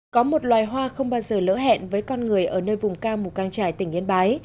có một loài hoa không bao giờ lỡ hẹn với con người ở nơi vùng cao mù căng trải tỉnh yên bái